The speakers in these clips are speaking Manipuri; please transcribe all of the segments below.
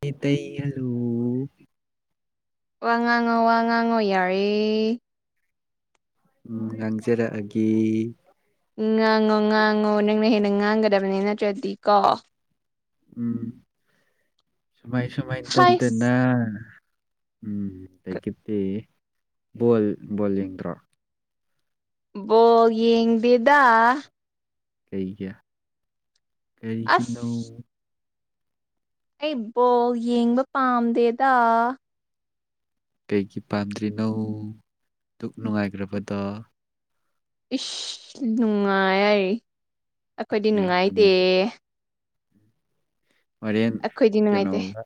ꯃꯤꯇꯩ ꯑꯂꯨ ꯋꯥ ꯉꯥꯡꯉꯣ ꯋꯥ ꯉꯥꯡꯉꯣ ꯌꯥꯔꯦ ꯎꯝ ꯉꯥꯡꯖꯔꯛꯑꯒꯦ ꯉꯥꯡꯉꯣ ꯉꯥꯡꯉꯣ ꯅꯪꯅ ꯍꯦꯟꯅ ꯉꯥꯡꯒꯗꯕꯅꯤ ꯅꯠꯇ꯭ꯔꯗꯤ ꯀꯣ ꯎꯝ ꯁꯨꯃꯥꯏ ꯁꯨꯃꯥꯏꯅ ꯍꯥꯏꯁ ꯇꯧꯗꯅ ꯎꯝ ꯑꯗꯒꯤꯗꯤ ꯕꯣꯜ ꯕꯣꯜ ꯌꯦꯡꯗ꯭ꯔꯣ ꯕꫭꯜ ꯌꯦꯡꯗꯦꯗꯥ ꯀꯩꯒꯤ ꯑꯁ ꯀꯩꯒꯤꯅꫭ ꯑꯩ ꯕꯣꯜ ꯌꯦꯡꯕ ꯄꯥꯝꯗꯦꯗ ꯀꯩꯒꯤ ꯄꯥꯝꯗ꯭ꯔꯤꯅꯧ ꯗꯨꯛ ꯅꯨꯡꯉꯥꯏꯈ꯭ꯔꯕꯗ ꯏꯁ ꯅꯨꯡꯉꯥꯏ ꯍꯥꯏꯔꯤ ꯑꯩꯈꯣꯏꯗꯤ ꯑꯦ ꯅꯨꯡꯉꯥꯏꯇꯦ ꯅꯨꯡꯉꯥꯏ ꯍꫭꯔꯦꯟ ꯑꯩꯈꯣꯏꯗꯤ ꯅꯨꯡꯉꯥꯏꯇꯦ ꯀꯩꯅꯣꯒ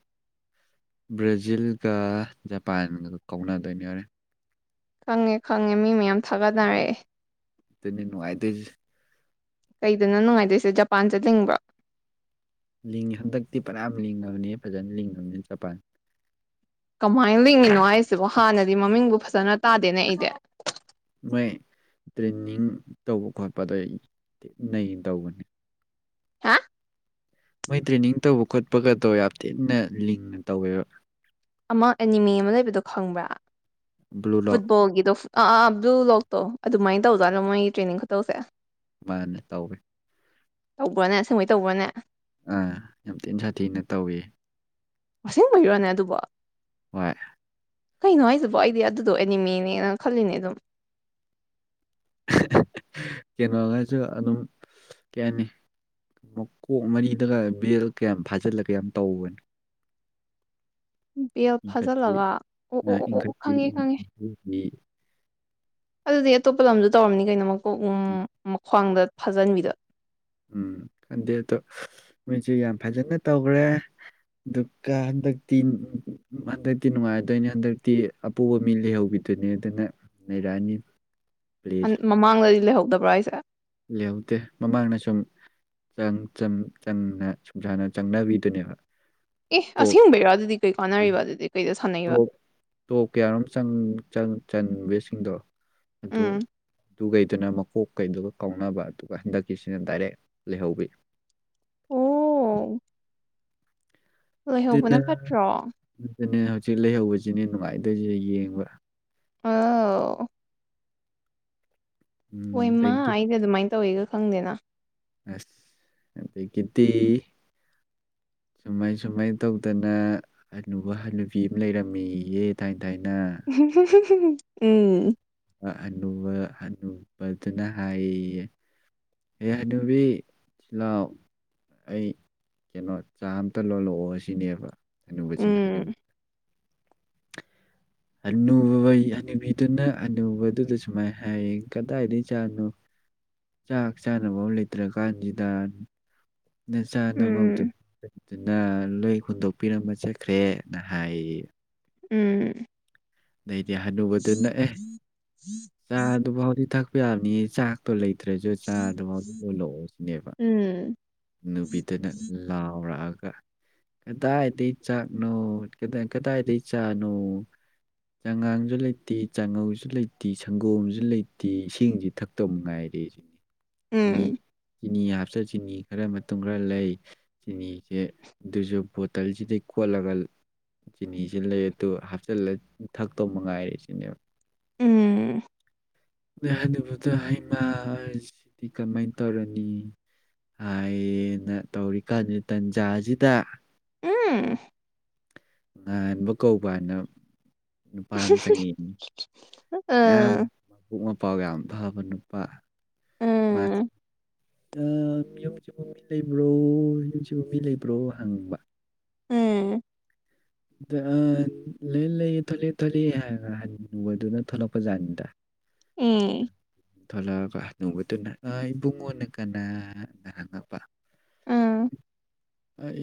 ꯕ꯭ꯔꯥꯖꯤꯜꯒ ꯖꯄꯥꯟꯒ ꯀꯧꯅꯗꯣꯏꯅꯤ ꯍꫭꯔꯦꯟ ꯈꯪꯉꯦ ꯈꯪꯉꯦ ꯃꯤ ꯃꯌꯥꯝ ꯊꯥꯒꯠꯅꯔꯛꯑꯦ ꯇꯨꯅꯤ ꯅꯨꯡꯉꯥꯏꯗꫭꯏꯖꯦ ꯀꯩꯗꯅꫭ ꯅꯨꯡꯉꯥꯏꯗꯣꯏꯁꯦ ꯖꯄꯥꯟꯁꯦ ꯂꯤꯡꯕ꯭ꯔꫭ ꯂꯤꯡꯉꯤ ꯍꯟꯗꯛꯇꯤ ꯐꯟꯌꯥꯝ ꯂꯤꯡꯉꯕꯅꯤ ꯐꯖꯅ ꯂꯤꯡꯉꯕꯅꯤ ꯖꯄꯥꯟ ꯀꯃꯥꯏꯅ ꯂꯤꯡꯉꯤꯅꯣ ꯍꯥꯏꯁꯤꯕꯨ ꯍꯥꯟꯅꯗꯤ ꯃꯃꯤꯡꯕꯨ ꯐꯖꯅ ꯇꯥꯗꯦꯅꯦ ꯑꯩꯗꯤ ꯃꯣꯏ ꯇ꯭ꯔꯦꯟꯅꯤꯡ ꯇꯧꯕ ꯈꯣꯠꯄꯗꫭ ꯅꯩꯅ ꯇꯧꯕꯅꯦ ꯍꯥ ꯃꯣꯏ ꯇ꯭ꯔꯦꯅꯤꯡ ꯇꯧꯕ ꯈꯣꯠꯄꯒꯗꯣ ꯌꯥꯝ ꯊꯤꯟꯅ ꯂꯤꯡꯅ ꯇꯧꯋꯦꯕ ꯑꯃ ꯑꯦꯅꯤꯃꯦ ꯑꯃ ꯂꯩꯕꯗꯣ ꯈꯪꯕ꯭ꯔꯥ ꯕ꯭ꯂꯨ ꯂꯣꯛ ꯐꯨꯠꯕꯣꯜꯒꯤꯗꯣ ꯐꯨ ꯑꯥ ꯑꯥ ꯕ꯭ꯂꯨ ꯂꯣꯛꯇꯣ ꯑꯗꯨꯃꯥꯏꯅ ꯇꯧꯖꯥꯠꯅꯣ ꯃꯣꯏꯒꯤ ꯇ꯭ꯔꯦꯅꯤꯡ ꯈꯨꯇꯧꯁꯦ ꯃꯥꯅꯦ ꯇꯧꯋꯦ ꯇꯧꯕ꯭ꯔꯅꯦ ꯑꯁꯦꯡꯕꯩ ꯇꯧꯕ꯭ꯔꯅꯦ ꯑꯥ ꯌꯥꯝ ꯊꯤꯟ ꯁꯥꯊꯤꯅ ꯇꯧꯏ ꯑꯁꯦꯡ ꯕꯩꯔꯣꯅꯦ ꯑꯗꯨꯕꯣ ꯍꯣꯏ ꯀꯩꯅꯣ ꯍꯥꯏꯁꯤꯕꯣ ꯑꯩꯗꯤ ꯑꯗꯨꯗꯣ ꯑꯦꯅꯤꯃꯦꯅꯦꯅ ꯈꯜꯂꯤꯅꯦ ꯑꯗꯨꯝ ꯀꯩꯅꯣꯉꯥꯏꯁꯨ ꯑꯗꯨꯝ ꯀꯩ ꯍꯥꯏꯅꯤ ꯃꯀꯣꯛ ꯃꯔꯤꯗꯒ ꯕꯦꯜ ꯀꯌꯥꯝ ꯐꯥꯖꯤꯜꯂꯒ ꯌꯥꯝ ꯇꯧꯕꯅꯤ ꯕꯦꯜ ꯏꯟꯈꯠꯄꯤ ꯐꯥꯖꯜꯂꯒ ꯑꯣ ꯑ ꯑꯣ ꯑꯣ ꯑꯣ ꯑꯣ ꯏꯟꯈꯠꯄꯤ ꯈꯪꯉꯦ ꯈꯪꯉꯦ ꯏꯟꯈꯠꯄꯤ ꯑꯗꯨꯗꯤ ꯑꯇꯣꯞꯄ ꯂꯝꯖꯨ ꯇꯧꯔꯝꯅꯤ ꯀꯩꯅꯣ ꯃꯀꯣꯛ ꯎꯝ ꯃꯈ꯭ꯋꯥꯡꯗ ꯐꯥꯖꯟꯕꯤꯗ ꯎꯝ ꯈꯟꯗꯦ ꯑꯗꯣ ꯃꯣꯏꯁꯦ ꯌꯥꯝ ꯐꯖꯅ ꯇꯧꯈ꯭ꯔꯦ ꯑꯗꯨꯒ ꯍꯟꯗꯛꯇꯤ ꯍꯟꯗꯛꯇꯤ ꯅꯨꯡꯉꯥꯏꯗꯣꯏꯅꯤ ꯍꯟꯗꯛꯇꯤ ꯑꯄꫭꯕ ꯃꯤ ꯂꯩꯍꯧꯕꯤꯅꯤ ꯑꯗꯨꯅꯦ ꯑꯗꯨꯅ ꯅꫭꯔꯥꯑꯅꯤ ꯃꯃꯥꯡꯗꯗꯤ ꯂꯩꯍꯧꯗꯕ꯭ꯔꯥ ꯍꯥꯏꯁꯦ ꯂꯩꯍꯧꯗꯦ ꯃꯃꯥꯡꯅ ꯁꯨꯝ ꯆꯪ ꯆꯝ ꯆꯝꯅ ꯁꯨꯝ ꯁꯥꯅ ꯆꯪꯅꯕꯤꯗꯨꯅꯦꯕ ꯑꯦ ꯇꯣꯞ ꯑꯁꯦꯡꯕꯩꯔꯥ ꯑꯗꯨꯗꯤ ꯀꯩ ꯑ ꯀꯥꯟꯅꯔꯤꯕ ꯑꯗꯨꯗꯤ ꯀꯩꯗ ꯁꯥꯟꯅꯩꯕ ꯇꯣꯞ ꯇꯣꯞ ꯀꯌꯥꯔꯣꯝ ꯆꯟ ꯆꯟ ꯆꯟꯕꯁꯤꯡꯗꯣ ꯑꯗꯣ ꯎꯝ ꯇꯨ ꯒꯩꯗꯨꯅ ꯃꯀꯣꯛ ꯀꯩꯗꯨꯒ ꯀꯥꯎꯅꯕ ꯑꯗꯨꯒ ꯍꯟꯗꯛꯀꯤꯁꯤꯅ ꯗꯥꯏꯔꯦꯛ ꯂꯩꯍꯧꯕꯤ ꯑꯣ ꯂꯩꯍꯧꯕꯅ ꯑꯗꯨꯅ ꯐꯠꯇ꯭ꯔꯣ ꯑꯗꯨꯅꯦ ꯍꯧꯖꯤꯛ ꯂꯩꯍꯧꯕꯁꯤꯅꯦ ꯅꯨꯡꯉꯥꯏꯗꯣꯏꯁꯤ ꯌꯦꯡꯕ ꯑ ꯍꯣꯏ ꯎꯝ ꯃꯥ ꯑꯗꯒꯤ ꯑꯩꯗ ꯑꯗꯨꯃꯥꯏꯅ ꯇꯧꯋꯤꯒ ꯈꯪꯗꯦꯅ ꯑꯁ ꯑꯗ ꯒꯤꯗꯤ ꯁꯨꯃꯥꯏ ꯁꯨꯃꯥꯏ ꯇꯧꯗꯅ ꯍꯅꯨꯕ ꯍꯅꯨꯕꯤ ꯑꯝ ꯂꯩꯔꯝꯃꯤꯌꯦ ꯊꯥꯏꯅ ꯎꯝ ꯅ ꯑꯅꯨꯕꯗꯨꯅ ꯍꯥꯏꯌꯦ ꯑꯦꯌꯥ ꯅꯨꯕꯤ ꯆꯤꯜꯂꯥꯎ ꯑꯩ ꯀꯩꯅꯣ ꯆꯥ ꯑꯝꯇ ꯂꯣꯜꯂꯛꯑꯣ ꯑꯁꯤꯅꯦꯕ ꯑꯅꯨꯕꯁꯤꯅ ꯍꯥꯏ ꯎꯝ ꯅꯨꯃꯤ ꯑꯅꯨꯕ ꯑꯅꯨꯕꯤꯗꯨꯅ ꯑꯅꯨꯕꯗꯨꯗ ꯁꯨꯃꯥꯏꯅ ꯍꯥꯏꯌꯦꯡ ꯀꯗꯥꯏꯗꯒꯤ ꯆꯥꯠꯅꯣ ꯆꯥꯛ ꯆꯥꯅꯕ ꯂꯩꯇ꯭ꯔ ꯀꯥꯟꯁꯤꯗ ꯅ ꯆꯥꯅꯃꯧꯗ ꯎꯝ ꯑꯗꯨꯅ ꯂꯣꯏ ꯍꯨꯟꯗꯣꯛꯄꯤꯔꯝꯕ ꯆꯠꯈ꯭ꯔꯦꯅ ꯍꯥꯏ ꯎꯝ ꯅꯗꯤ ꯍꯅꯨꯕꯗꯨ ꯅꯛꯑꯦ ꯑꯗꯨꯐꯥꯎꯗꯤ ꯊꯛꯄ ꯌꯥꯕꯅꯤꯌꯦ ꯆꯥꯛꯇꯣ ꯂꯩꯇ꯭ꯔꯁꯨ ꯆꯥ ꯑꯗꯨꯐꯥꯎꯗꯤ ꯄꯨꯂꯛꯑꯣꯁ ꯎꯝ ꯅꯨꯕꯤꯗꯅ ꯂꯥꯎꯔꯛꯑꯒ ꯀꯗꯥꯏꯗꯒꯤ ꯆꯥꯛꯅꯣ ꯀꯗꯥꯏꯗꯒꯤ ꯆꯥꯅꯣ ꯆꯉꯥꯡꯁꯨ ꯂꯩꯇꯦ ꯆꯥꯉꯧꯁꯨ ꯂꯩꯇꯦ ꯁꯪꯒꯣꯝꯁꯨ ꯂꯩꯇꯦ ꯏꯁꯤꯡꯁꯤ ꯊꯛꯇꯕ ꯃꯉꯥꯏꯔꯦ ꯎ ꯎꯝ ꯆꯤꯅꯤ ꯍꯥꯞꯆ ꯆꯤꯅꯤ ꯈꯔ ꯃꯇꯨꯡ ꯈꯔ ꯂꯩ ꯆꯤꯅꯤꯁꯦ ꯑꯗꯨꯁꯨ ꯕꯣꯇꯜꯁꯤꯗꯩ ꯈꯣꯠꯂꯒ ꯆꯤꯅꯤꯁꯤ ꯂꯩ ꯑꯗꯨ ꯍꯥꯞꯆꯤꯜꯂ ꯊꯛꯇꯧꯕ ꯃꯉꯥꯏꯔꯦ ꯁꯤꯅꯦꯕ ꯎꯝ ꯑ ꯑꯗꯨꯕꯨꯗ ꯍꯩꯃꯁꯤꯗꯤ ꯀꯃꯥꯏꯅ ꯇꯧꯔꯅꯤ ꯍꯥꯏꯅ ꯇꯧꯔꯤꯀꯥꯟꯗ ꯇꯟꯖꯥꯁꯤꯗ ꯎꯝ ꯉꯟꯥꯟꯕ ꯀꯧꯕꯅ ꯅꯨꯄꯥ ꯑꯃ ꯆꯪꯉꯤꯅꯤ ꯌꯥꯝ ꯑ ꯃꯄꯣꯛ ꯃꯄꯥꯎ ꯌꯥꯝ ꯐꯕ ꯅꯨꯄꯥ ꯎꯝ ꯃꯥꯁꯤ ꯌꯨꯝꯁꯤꯕꯨ ꯃꯤ ꯂꯩꯕ꯭ꯔꯣ ꯌꯨꯝꯁꯤꯕꯨ ꯃꯤ ꯂꯩꯕ꯭ꯔꯣ ꯍꯪꯕ ꯎꯝ ꯑ ꯂꯣꯏ ꯂꯩꯑ ꯊ ꯊꯣꯛꯂꯛꯑꯦ ꯊ ꯊꯣꯛꯂꯛꯑꯦ ꯍꯕꯗꯨꯅ ꯊꯣꯛꯂꯛꯄꯖꯥꯠꯅꯤꯗ ꯎꯝ ꯊꯂ ꯀ ꯅꯧꯕꯇꯅ ꯏꯕꯨꯡꯉꯣꯅ ꯀꯅꯥꯅ ꯍꯪꯉꯛꯄ ꯎꯝ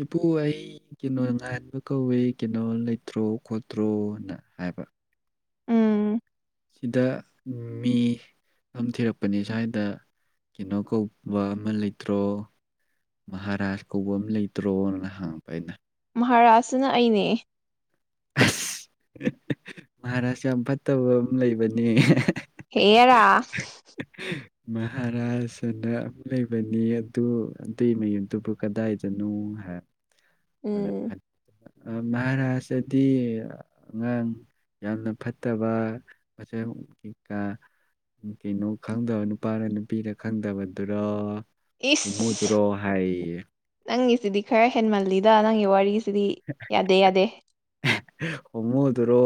ꯏ ꯄꯣ ꯑꯩ ꯀꯩꯅꯣ ꯉꯥꯏꯕ ꯀꯧꯋꯦ ꯀꯩꯅꯣ ꯂꯩꯇ꯭ꯔꯣ ꯈꯣꯠꯇ꯭ꯔꯣꯅ ꯍꯥꯏꯕ ꯎꯝ ꯁꯤꯗ ꯃꯤ ꯌꯥꯝꯊꯤꯔꯛꯄꯅꯤ ꯁ꯭ꯋꯥꯏꯗ ꯀꯩꯅꯣ ꯀꯧꯕ ꯑꯃ ꯂꯩꯇ꯭ꯔꯣ ꯃꯍꯥꯔꯥꯖ ꯀꯧꯕ ꯑꯃ ꯂꯩꯇ꯭ꯔꯣꯅ ꯍꯥꯡꯉꯛꯕ ꯑꯩꯅ ꯃꯍꯥꯔꯥꯥꯁꯁꯤꯅ ꯑꯩꯅꯦ ꯑꯁ ꯃꯍꯥꯔꯥꯥꯁ ꯌꯥꯝ ꯐꯠꯇꯕ ꯑꯃ ꯂꯩꯕꯅꯦ [inaudible] ꯃꯍꯥꯔꯥꯖꯅ ꯑꯃꯨ ꯂꯩꯕꯅꯤ ꯑꯗꯨ ꯑꯗꯨꯇꯩ ꯃꯌꯨꯝꯗꯨꯕꯨ ꯀꯗꯥꯏꯗꯅꯣ ꯍꯥꯏ ꯗ ꯎꯝ ꯃꯍꯔꯥꯥꯁ꯭ꯔꯗꯤ ꯑꯉꯥꯡ ꯌꯥꯝꯅ ꯐꯠꯇꯕ ꯃ ꯀꯩꯅꯣ ꯈꯪꯗꯕ ꯅꯨꯄꯥꯅ ꯅꯨꯄꯤꯅ ꯈꯪꯗꯕꯗꯨꯔ ꯍꯨꯝꯃꯨꯗꯨꯔꯣ ꯍꯥꯏꯌꯦ ꯁꯤꯗꯤ ꯈꯔ ꯍꯦꯟꯃꯜꯂꯤꯗ ꯅꯪꯒꯤ ꯋꯥꯔꯤꯁꯤꯗꯤ ꯌꯥꯗꯦ ꯌꯥꯗꯦ ꯍꯣꯡꯃꯨꯗꯨꯔꯣ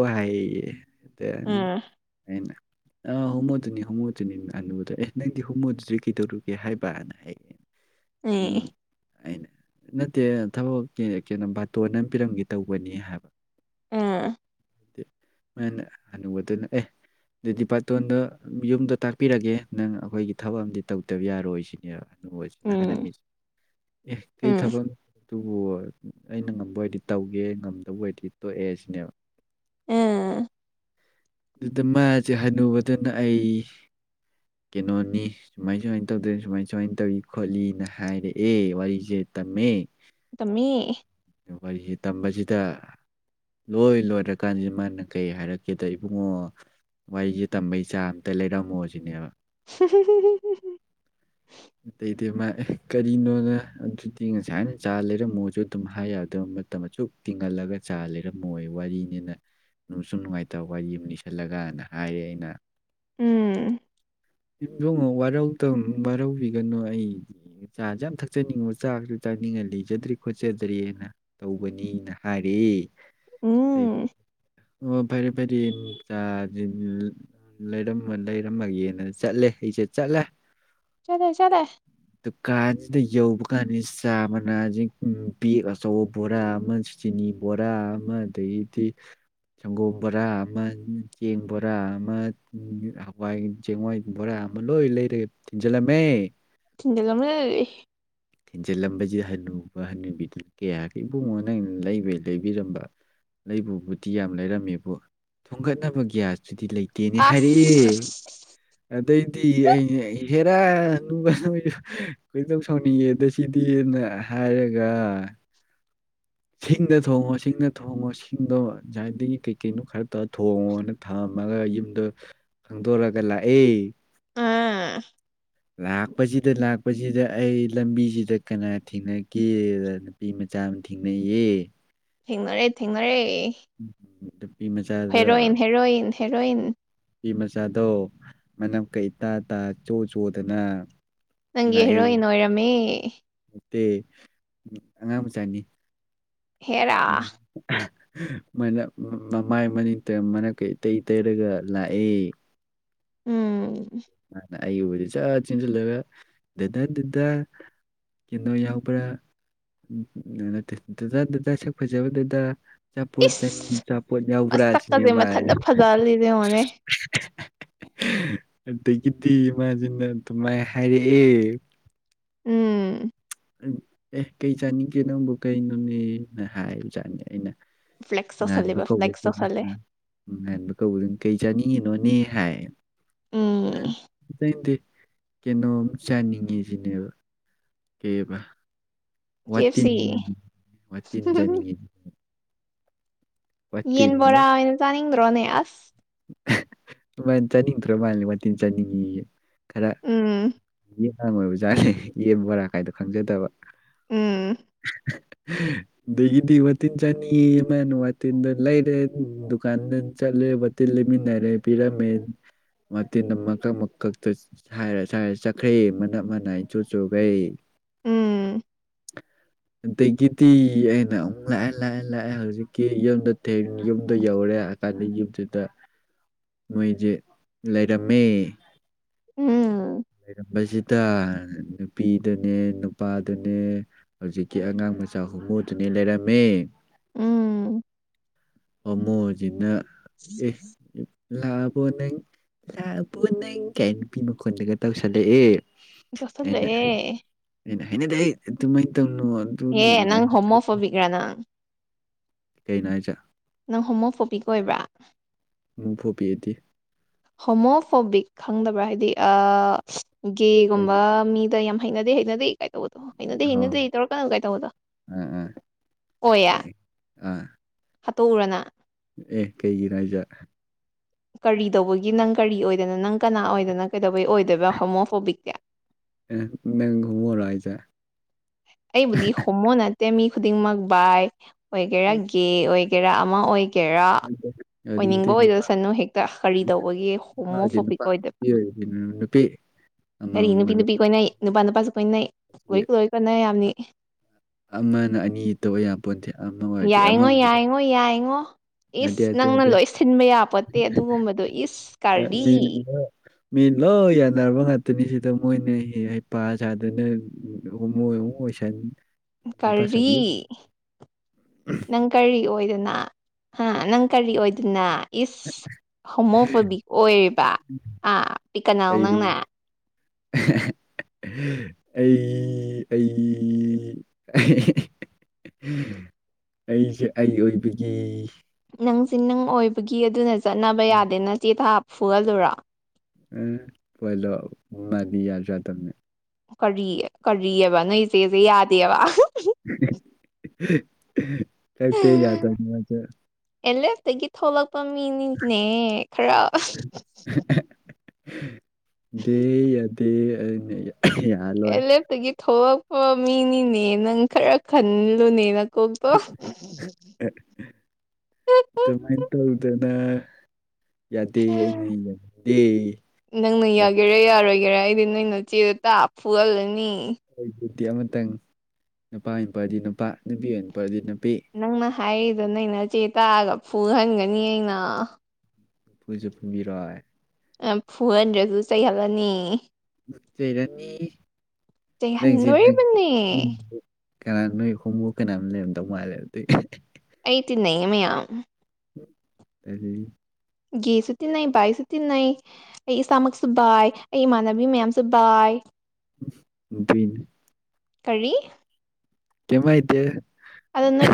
ꯎꯝ ꯍꯥꯏꯌꯦꯩꯅ ꯑꯥ ꯍꯣꯃꯣꯇꯣꯅꯤ ꯍꯣꯃꯣꯇꯣꯅꯤ ꯑꯅꯨꯕꯗꯣ ꯑꯦ ꯅꯪꯗꯤ ꯍꯣꯃꯣꯗꯨꯗꯤ ꯀꯩꯗꯧꯔꯨꯒꯦ ꯍꯥꯏꯕꯅ ꯍꯥꯏꯌꯦ ꯑꯦ ꯑꯩꯅ ꯅꯠꯇꯦ ꯊꯕꯛ ꯀꯩꯅꯣ ꯕꯥꯇꯣꯟ ꯑꯃ ꯄꯤꯔꯝꯒꯦ ꯇꯧꯕꯅꯤ ꯍꯥꯏꯕ ꯑꯥ ꯃꯅ ꯍꯥꯟꯅꯨꯕꯗꯨꯅ ꯑꯦ ꯑꯗꯨ ꯗꯤ ꯄꯔꯇꯣꯟꯗ ꯌꯨꯝꯗꯣ ꯇꯥꯛꯄꯤꯔꯒꯦ ꯅꯪ ꯑꯩꯈꯣꯏꯒꯤ ꯊꯕꯛ ꯑꯃꯗꯤꯝ ꯇꯧꯗꯕ ꯌꯥꯔꯣꯏ ꯁꯤꯅꯦꯕ [unintelligible] ꯍꯥꯏꯔꯝꯃꯤꯁꯦ ꯑꯦ ꯎꯝ ꯀꯩ ꯎꯝ ꯑꯩꯅ ꯉꯝꯕ ꯑꯣꯏꯔꯗꯤ ꯇꯧꯒꯦ ꯉꯝꯗꯕ ꯑꯣꯏꯔꯗꯤ ꯇꯣꯛꯑꯦ ꯁꯤꯅꯦꯕ ꯑ ꯑꯗꯨꯗ ꯃꯥꯁꯦ ꯍꯟꯅꯨꯕꯗꯨꯅ ꯑꯩ ꯀꯩꯅꯣꯅꯤ ꯁꯨꯃꯥꯏ ꯁꯨꯃꯥꯏꯅ ꯇꯧꯗꯦ ꯁꯨꯃꯥꯏ ꯁꯨꯃꯥꯏꯅ ꯇꯧꯏ ꯈꯣꯠꯂꯤꯅ ꯍꯥꯏꯔꯦ ꯑꯦ ꯋꯥꯔꯤꯁꯦ ꯇꯝꯃꯦ ꯇꯃꯦ ꯋꯥꯔꯤꯁꯤ ꯇꯝꯕꯁꯤꯗ ꯂꯣꯏ ꯂꯣꯏꯔꯀꯥꯟꯁꯤꯗꯤ ꯃꯥꯅ ꯀꯩ ꯍꯥꯏꯔꯛꯀꯦꯗ ꯏꯕꯨꯡꯉꯣ ꯋꯥꯔꯤꯁꯦ ꯇꯝꯕꯩ ꯆꯥ ꯑꯝꯇ ꯂꯩꯔꯝꯃꯣ ꯁꯤꯅꯦꯕ [unintelligible] ꯑ ꯃꯥ ꯑꯦ ꯀꯔꯤꯅꯣꯅ ꯑꯗꯨꯗꯤ ꯉꯁꯥꯏ ꯆꯥ ꯂꯩꯔꯝꯃꯣꯁꯨ ꯑꯗꯨꯝ ꯍꯥꯏ ꯌꯥꯗꯕ ꯃꯇꯝ ꯑꯁꯨꯛ ꯇꯤꯡꯍꯜꯂꯒ ꯆꯥ ꯂꯩꯔꯝꯃꯣꯌꯦ ꯋꯥꯔꯤꯅꯤꯅ ꯅꯨꯡꯁꯨ ꯅꯨꯡꯉꯥꯏꯇꯕ ꯋꯥꯔꯤ ꯑꯃ ꯏꯁꯜꯂꯒꯅ ꯍꯥꯏꯔꯦ ꯑꯩꯅ ꯎꯝ ꯌꯨꯝꯗꯣꯡꯉ ꯋꯥꯔꯧ ꯋꯥꯔꯧꯕꯤꯒꯅꯨ ꯑꯩ ꯆꯥꯥꯁꯦ ꯌꯥꯝ ꯊꯛꯆꯅꯤꯡꯉꯕ ꯆꯥꯛꯁꯨ ꯆꯥꯅꯤꯡꯉꯥꯢ ꯂꯩꯖꯗ꯭ꯔꯤ [unintelligible] ꯐ꯭ꯔꯦꯅ ꯇꯧꯕꯅꯤꯅ ꯍꯥꯏꯔꯦ ꯎꯝ ꯑꯣ ꯐꯔꯦ ꯐꯔ ꯅꯨꯡꯆꯥ ꯂꯩꯔꯝꯃ ꯂꯩꯔꯝꯃꯒꯦꯅ ꯆꯠꯂꯦ ꯆꯠꯂꯦ ꯆꯠꯂꯦ ꯆꯠꯂꯦ ꯗ ꯌꯧꯕ ꯀꯥꯟꯗ ꯆꯥ ꯃꯅꯥ ꯖꯤ [unintelligible] ꯕꯦꯛ ꯑꯆꯧꯕ ꯕꯣꯔꯥ ꯑꯃ ꯆꯤꯅꯤ ꯕꯣꯔꯥ ꯑꯃ ꯑꯗꯒꯤꯗꯤ ꯁꯪꯒꯣꯝ ꯕꯣꯔꯥ ꯑꯃ ꯆꯦꯡꯕꯣꯔꯥ ꯑꯃ ꯍꯋꯥꯏ ꯆꯦꯡꯋꯥꯏ ꯕꯣꯔꯥ [unintelligible] ꯂꯣꯢ ꯂꯩꯔꯥ ꯊꯤꯖꯤꯜꯂꯝꯃꯦ ꯊꯤꯡꯖꯤꯟꯂꯝꯂꯦ ꯊꯤꯟꯖꯤꯜꯂꯝꯕꯁꯤ ꯍꯅꯨꯕ ꯍꯅꯨꯕꯤꯗꯨꯅ ꯀꯌꯥꯒꯤ ꯏꯕꯨꯡꯉꯣ ꯅꯪꯅ ꯂꯩꯕꯩ ꯂꯩꯕꯤꯔꯝꯕ ꯂꯩꯕꯨꯕꯨꯗꯤ ꯌꯥꯝ ꯂꯩꯔꯝꯃꯦꯕꯨ ꯊꯣꯡꯒꯠꯅꯕ ꯒ꯭ꯌꯥꯁ ꯁꯤꯗꯤ ꯂꯩꯇꯦꯅꯦ ꯍꯥꯏꯔꯛꯑꯦ ꯑꯁ ꯑꯗꯩ ꯗꯤ ꯑꯩꯅ ꯍꯦꯔꯥ ꯅꯨꯡꯕ ꯀꯩꯅ ꯇꯧ ꯁꯥꯎꯅꯤꯡꯉꯦ ꯑꯗꯣ ꯁꯤꯗꯤꯅ ꯍꯥꯏꯔꯒ ꯁꯤꯡꯗ ꯊꯣꯡꯉꯣ ꯁꯤꯡꯗ ꯊꯣꯡꯉꯣ ꯁꯤꯡꯗꯣ ꯉꯥꯏꯗꯒꯤ ꯀꯩ ꯀꯩꯅꯣ ꯈꯔ ꯇꯔ ꯊꯣꯡꯉꯣꯅ ꯊꯥ ꯊꯃꯒ ꯌꯨꯝꯗꯣ ꯈꯪꯗꯣꯔꯒ ꯂꯥꯛꯑꯦ ꯑꯥ ꯂꯥꯛꯄꯁꯤꯗ ꯂꯥꯛꯄꯁꯤꯗ ꯑꯩ ꯂꯝꯕꯤꯁꯤꯗ ꯀꯅꯥ ꯊꯦꯡꯅꯒꯦ ꯅꯨꯄꯤ ꯃꯆꯥ ꯌꯥꯝ ꯊꯦꯡꯅꯩꯌꯦ ꯊꯦꯡꯅꯔꯦ ꯊꯦꯡꯅꯔꯦ [inaudible] ꯃꯆꯥꯗꯣ ꯍꯦꯔꯣꯏꯟ ꯍꯦꯔꯣꯏꯟ ꯍꯦꯔꯣꯏꯟ ꯅꯨꯄꯤ ꯃꯆꯥꯗꯣ ꯃꯅꯝ ꯀꯥ ꯏꯇꯥꯇꯥ ꯢꯆꯣ ꯆꯣꯗꯅ ꯅꯪꯒꯤ ꯍꯦꯔꯣꯏꯟ ꯑꯣꯏꯔꯝꯃꯤ ꯑꯦ ꯑꯉꯥꯡ ꯃꯆꯥꯅꯤ ꯍꯦꯔꯥ [unintelligible] ꯃꯅꯞ ꯃꯃꯥꯏ ꯃꯃꯤꯠꯇ ꯃꯅꯞ ꯀꯥꯡ ꯢꯇꯩ ꯇꯩꯔꯒ ꯂꯥꯛꯑꯦ ꯎꯝ ꯑꯩ ꯎꯕꯗꯤ ꯁꯠ ꯆꯦꯟꯁꯤꯜꯂꯒ ꯗꯥꯗꯥ ꯗꯥꯗꯥ ꯀꯩꯅꯣ ꯌꯥꯎꯕ꯭ꯔꯥ ꯅꯠꯇꯦ ꯗꯥ ꯗꯥ ꯁꯛ ꯐꯖꯕ ꯗꯥ ꯗꯥ ꯆꯄꯣꯠ ꯆꯅꯤ ꯏꯁ ꯆꯄꯣꯠ ꯌꯥꯎꯕ꯭ꯔꯥꯥꯁꯤꯅꯦ ꯃꯁꯛꯀꯁꯦ ꯃꯥꯥꯅ ꯍꯥꯢꯅꯤ ꯃꯊꯟꯇ ꯐꯖꯍꯜꯂꯤꯁꯦ ꯌꯦꯡꯉꯣꯅꯦ ꯑꯗꯒꯤꯗꯤ ꯃꯥꯖꯤꯅ ꯑꯗꯨꯃꯥꯢ ꯍꯥꯏꯔꯛꯑꯦ ꯎꯝ ꯑꯦ ꯀꯩ ꯆꯥꯅꯤꯡꯒꯦ ꯅꯪꯕꯨ ꯀꯩꯅꯩꯅꯣꯅꯦꯅ ꯍꯥꯏꯕ ꯆꯥꯠꯅꯤ ꯑꯩꯅ ꯐ꯭ꯂꯦꯛꯁ ꯉꯥꯟꯕ ꯇꯧꯁꯜꯂꯦꯕ ꯐ꯭ꯂꯦꯛꯁ ꯀꯧꯕꯗꯨꯅ ꯇꯧꯁꯜꯂꯦ ꯉꯥꯟꯕ ꯀꯧꯕꯗꯨꯅ ꯀꯩ ꯆꯥꯅꯤꯡꯉꯤꯅꯣꯅꯦ ꯍꯥꯏꯗꯤ ꯎꯝ ꯀꯩꯅꯣꯝ ꯆꯥꯅꯤꯡꯉꯤꯁꯤꯅꯦꯕ ꯀꯩꯕ ꯀꯦ ꯑꯦꯐ ꯁꯤ ꯋꯥꯇꯤꯟꯖꯅꯤꯡꯉ ꯋꯥꯇꯤꯟꯖꯅꯤꯡꯉꯤ ꯌꯦꯟꯕꯣꯔꯥꯩꯅ ꯆꯥꯅꯤꯡꯕ꯭ꯔꯣ ꯅꯌꯥꯁ ꯑꯗꯨꯃꯥꯏꯅ ꯆꯥꯅꯤꯡꯗ꯭ꯔ ꯃꯥꯜꯂ ꯃꯇꯤꯟ ꯆꯥꯅꯤꯡꯉꯤ ꯈꯔ ꯎꯝ ꯑꯥꯡꯣꯏꯕꯖꯥꯠꯥꯁꯦ ꯌꯦꯡꯕꯣꯔꯥ ꯀꯥꯏꯗꯣ ꯈꯪꯖꯗꯕ ꯎꯝ ꯑꯗꯒꯤꯗꯤ ꯋꯥꯇꯤꯟ ꯆꯥꯅꯤ ꯑꯃꯅ ꯋꯥꯇꯤꯟꯗ ꯂꯩꯔꯦ ꯗꯨꯀꯥꯟꯗ ꯆꯠꯂꯦꯕꯇ ꯂꯩꯃꯤꯟꯅꯔꯦ ꯄꯤꯔꯃꯦ ꯃꯇꯤꯟꯗ ꯃꯀꯛ ꯃꯀꯛꯇ ꯁꯔ ꯁꯔ ꯆꯠꯈ꯭ꯔꯦ ꯃꯅꯥꯞ ꯃꯅꯥ ꯏ ꯆꯨ ꯆꯨꯈꯩ ꯎꯝ [unintelligible] ꯑꯗꯒꯤꯗꯤ ꯑꯩꯅ ꯑꯃꯨꯛ ꯂꯥꯛꯑꯦ ꯂꯥꯛꯑꯦ ꯂꯥꯛꯑꯦ ꯍꯧꯖꯤꯛꯀꯤ ꯌꯨꯝꯗ ꯊ ꯌꯨꯝꯗ ꯌꯧꯔꯦ ꯍꯥꯏꯀꯥꯟꯗ ꯌꯨꯝꯗꯨꯗ ꯃꯣꯏꯁꯦ ꯂꯩꯔꯝꯃꯦ ꯑꯝ ꯂꯩꯔꯝꯕꯁꯤꯗ ꯅꯨꯄꯤꯗꯅꯦ ꯅꯨꯄꯥꯗꯅꯦ ꯍꯧꯖꯤꯛꯀꯤ ꯑꯉꯥꯡ ꯃꯆꯥ ꯍꯨꯝꯃꯨꯗꯨꯅꯤ ꯂꯩꯔꯝꯃꯦ ꯎꯝ ꯃꯃꯣꯖꯤꯅ ꯊ꯭ꯔꯤ ꯊ꯭ꯔꯤ ꯂꯥꯛꯑꯕꯣ ꯅꯪ ꯂꯥꯛꯕꯣ ꯅꯪ ꯀꯩ ꯅꯨꯄꯤ ꯃꯈꯣꯟꯗꯒ ꯇꯧꯁꯜꯂꯛꯑꯦ ꯇꯧꯁꯜꯂꯛꯑꯦ ꯑꯩꯅꯩꯅ ꯍꯩꯅꯗꯤ ꯑꯩ ꯑꯗꯨꯃꯥꯏꯅ ꯇꯧꯅꯤ ꯑꯗꯨ ꯑꯦ ꯅꯪ ꯍꯣꯃꯣꯐꯣꯕꯤꯛꯔꯥ ꯅꯪ ꯀꯩꯅꯣ ꯍꯥꯏꯁ ꯅꯪ ꯍꯣꯃꯣꯐꯣꯄꯤꯛ ꯑꯣꯏꯕ꯭ꯔꯥ ꯐꯨꯕꯤꯑꯗꯤ ꯍꯣꯃꯣꯐꯣꯕꯤꯛ ꯈꯪꯗꯕ꯭ꯔꯥ ꯍꯥꯏꯗꯤ ꯍꯣꯏ ꯒꯦꯒꯨꯝꯕ ꯃꯤꯗ ꯌꯥꯝ ꯍꯩꯅꯗꯦ ꯍꯩꯅꯗꯦ ꯀꯥꯏ ꯇꯧꯕꯗꯣ ꯍꯩꯅꯗꯦ ꯍꯩꯅꯗꯦ ꯇꯧꯔꯛ ꯀꯅꯨ ꯀꯥꯏ ꯇꯧꯕꯗꯣ ꯍ ꯑ ꯍꯥꯠꯇꯣꯛꯎꯔꯅ ꯑꯦ ꯀꯩꯒꯤꯅꯣ ꯍꯥꯏꯖꯠ ꯀꯔꯤ ꯇꯧꯕꯒꯤ ꯅꯪ ꯀꯔꯤ ꯑꯣꯏꯗꯅ ꯅꯪ ꯀꯅꯥ ꯑꯣꯏꯗꯅ ꯀꯩꯗꯧꯕꯒꯤ ꯑꯣꯏꯗꯣꯏꯕ ꯍꯣꯃꯣꯐꯣꯕꯤꯛꯇꯦ ꯑ ꯅ ꯍꯨꯃꯔ ꯍꯥꯏꯖꯦ ꯑꯩꯕꯨꯗꯤ ꯍꯣꯃꯣ ꯅꯠꯇꯦ ꯃꯤ ꯈꯨꯗꯤꯡꯃꯛ ꯕꯥꯏ ꯑꯣꯏꯒꯦꯔꯥꯒꯦ ꯑꯣꯏꯒ ꯀꯦꯔꯥ ꯑꯃ ꯑꯣꯏ ꯀꯦꯔꯥ ꯑꯣꯏꯅꯤꯡꯕ ꯌꯥꯅꯤꯡꯗꯦ ꯅꯨꯄꯥ ꯑꯣꯏꯗꯣꯏꯁꯅꯨ ꯍꯦꯛꯇ ꯀꯔꯤ ꯇꯧꯕꯒꯤ ꯅꯨꯄꯥ ꯑꯣꯏꯔꯗꯤ ꯍꯣꯃꯣꯐꯣꯕꯤꯛ ꯅꯨꯄꯥ ꯑꯣꯏꯗꯣꯏꯕ ꯅꯨꯄꯤ ꯑꯣꯏꯔꯗꯤ ꯅꯨꯄꯤ ꯀꯔꯤ ꯑꯃꯃꯝ ꯅꯨꯄꯤ ꯑꯣꯏꯕ ꯅꯨꯄꯤ ꯀꯣꯏꯅꯩ ꯅꯨꯄꯥ ꯅꯨꯄꯥꯁꯨ ꯀꯣꯏꯅꯩ ꯂꯣꯏ ꯁꯤ ꯀꯂꯣꯏ ꯀꯣꯟꯅꯩ ꯌꯥꯝꯅꯤ ꯑꯃꯅ ꯑꯅꯤ ꯇꯧꯕ ꯌꯥꯝ ꯄꯨꯟꯗꯦ ꯑꯃ ꯑꯣꯏꯔꯗꯤ ꯑꯃ ꯌꯥꯏꯉꯣ ꯑꯣꯏꯒ ꯌꯥꯏꯉꯣ ꯌꯥꯏꯉꯣ ꯏꯁ ꯅꯪꯅ ꯂꯣꯏ ꯁꯤꯟꯕ ꯌꯥꯄꯣꯠꯇꯦ ꯑꯗꯨꯒꯨꯝꯕꯗꯣ ꯏꯁ ꯑꯦ, ꯀꯥꯔꯗꯤ ꯃꯤ ꯂꯣꯏ- ꯃꯤ ꯂꯣ ꯌꯥꯟꯅꯔꯕ ꯉꯥꯛꯇꯅꯤ ꯁꯤꯗ ꯃꯣꯏꯅ ꯍ ꯄ ꯁꯥꯗꯅꯣꯏ ꯑꯣꯏꯁꯥꯅꯤ ꯀꯔꯤ ꯅꯪ ꯀꯔꯤ ꯑꯣꯏꯗꯅ ꯅꯪ ꯀꯔꯤ ꯑꯣꯏꯗꯅ ꯏꯁ ꯍꯣꯃꯌꯣꯄꯦꯕꯤꯛ ꯑꯣꯏꯔꯤꯕ ꯑ ꯄꯤꯀꯅꯥꯎ ꯅꯪꯅꯦ ꯑꯩ ꯑꯩ ꯑꯩ ꯑꯩꯁꯦ ꯑꯩ ꯑꯣꯏꯕꯒꯤ ꯅꯪꯁ ꯅꯪ ꯑꯣꯏꯕꯒꯤ ꯑꯗꯨꯅ ꯆꯠꯅꯕ ꯌꯥꯗꯦꯅ ꯆꯦ ꯊꯥ ꯐꯨꯍꯜꯂꯨꯔꯣ ꯎ ꯑꯣꯏꯣꯏꯂꯣ ꯃꯅꯤ ꯌꯥ ꯆꯗꯝꯃꯦ ꯀꯔꯤ ꯀꯔꯤꯑꯕ ꯅꯣꯏ ꯏꯆꯦꯁꯦ ꯌꯥꯗꯦꯕ ꯀꯛꯇ ꯌꯥꯗꯕꯅꯦ ꯑꯦꯂꯦꯐꯇꯒꯤ ꯊꯣꯛꯂꯛꯄ ꯃꯤꯅꯤꯅꯦ ꯈꯔ ꯗꯦ ꯌꯥ ꯗꯦꯅꯦ ꯑꯦꯂꯦꯞꯇꯒꯤ ꯊꯣꯛꯂꯛꯄ ꯃꯤꯅꯤꯅꯦ ꯅꯪ ꯈꯔ ꯈꯟꯂꯨꯅꯦ ꯅ ꯀꯄ ꯅ ꯌꯥꯗꯦ ꯑꯩꯅ ꯌꯥꯅꯤꯡꯗꯦ ꯍꯥꯏꯒꯦꯔ ꯑꯩꯗꯤ ꯅꯣꯏꯅꯣ ꯆꯦꯗ ꯇ ꯐꯨꯍꯜꯂꯅꯤ ꯑꯩꯗꯤ ꯑꯃꯇꯪ ꯅꯨꯄꯥ ꯑꯣꯏꯅ ꯄꯥꯔꯗꯤ ꯅꯨꯄꯥ ꯅꯨꯄꯤ ꯑꯣꯏꯅ ꯄꯔꯗꯤ ꯅꯪꯅ ꯍꯥꯏꯔꯤꯗ ꯅꯪꯩꯅ ꯆꯦ ꯇꯥꯛꯑꯒ ꯐꯨꯍꯟꯒꯅꯤ ꯑꯩꯅ ꯏꯐꯨꯁꯨ ꯐꯨꯕꯤꯔꯣꯏ ꯐꯣꯔ ꯍꯟꯗ꯭ꯔꯦꯗꯁꯨ ꯆꯩꯍꯜꯂꯅꯤ ꯆꯩꯔꯅꯤ ꯅꯪꯖꯦ ꯅ ꯆꯩꯍꯟꯗꯣꯔꯤꯕꯅꯦ ꯎ ꯀꯅꯥ ꯅꯣꯏ ꯍꯣꯡꯒꯣꯛ ꯀꯅꯥꯝ ꯂꯩꯔꯝꯗꯧ ꯃꯥꯜꯂꯦ ꯑꯗꯨꯗꯤ ꯇꯅ ꯏꯃꯌꯥꯝꯌꯥꯝ ꯇꯗꯒꯤ ꯒꯤꯁꯨ ꯇꯤꯟꯅꯩ ꯚꯥꯏꯁꯨ ꯇꯤꯟꯅꯩ ꯑꯩ ꯏꯁꯥꯃꯛꯁꯨ ꯕꯥꯏ ꯑꯩ ꯏꯃꯥꯟꯅꯕꯤ ꯃꯌꯥꯝꯁꯨ ꯕꯥꯏ ꯤꯟ ꯀꯔꯤ ꯀꯃꯥꯏꯇꯦ ꯑ